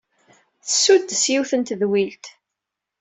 Tessuddes yiwet n tedwilt.